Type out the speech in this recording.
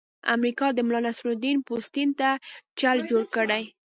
امریکا د ملانصرالدین پوستین ته چل جوړ کړی.